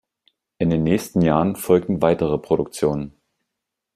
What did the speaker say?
In den nächsten Jahren folgten weitere Produktionen.